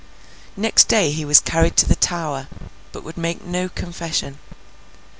Next day he was carried to the Tower, but would make no confession.